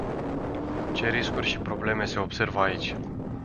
Ce riscuri și probleme se observă aici?